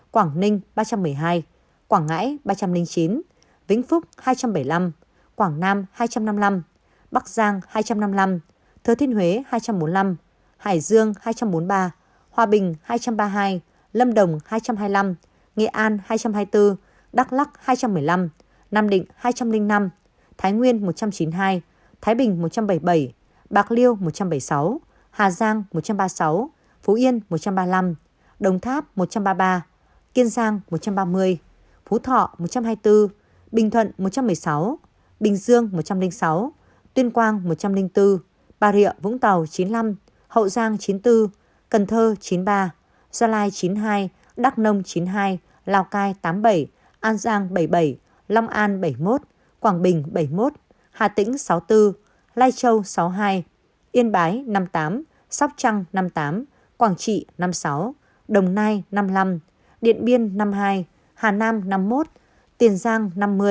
quảng ninh ba trăm một mươi hai quảng ngãi ba trăm linh chín vĩnh phúc hai trăm bảy mươi năm quảng nam hai trăm năm mươi năm bắc giang hai trăm năm mươi năm thứ thiên huế hai trăm bốn mươi năm hải dương hai trăm bốn mươi ba hòa bình hai trăm ba mươi hai lâm đồng hai trăm hai mươi năm nghệ an hai trăm hai mươi bốn đắk lắc hai trăm một mươi năm nam định hai trăm linh năm thái nguyên một trăm chín mươi hai thái bình một trăm bảy mươi bảy bạc liêu một trăm bảy mươi sáu hà giang một trăm ba mươi sáu phú yên một trăm ba mươi năm đồng tháp một trăm ba mươi sáu hà giang một trăm ba mươi sáu hà giang một trăm ba mươi sáu hà giang một trăm ba mươi sáu hà giang một trăm ba mươi sáu hà giang một trăm ba mươi sáu hà giang một trăm ba mươi sáu hà giang một trăm ba mươi sáu hà giang một trăm ba mươi sáu hà giang một trăm ba mươi sáu hà giang một trăm ba mươi sáu hà giang một trăm ba mươi sáu hà giang một trăm ba mươi sáu hà giang một mươi ba